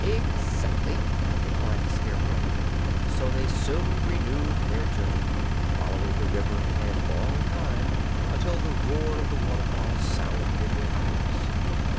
"Exactly," replied the Scarecrow; so they soon renewed their journey, following the river for a long time until the roar of the waterfall sounded in their ears.